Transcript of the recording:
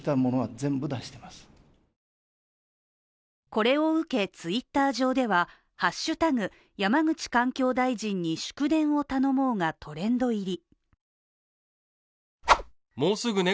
これを受けＴｗｉｔｔｅｒ上では「＃山口環境大臣に祝電を頼もう」がトレンド入り。